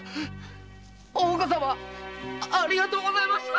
大岡様ありがとうございました。